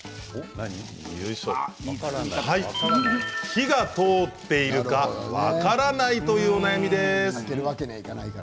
火が通っているか分からないというお悩みです。